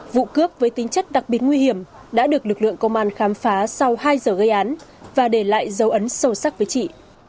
vụ cướp với tính chất đặc biệt nguy hiểm đã được lực lượng công an khám phá sau hai giờ gây án và để lại dấu ấn sâu sắc với chị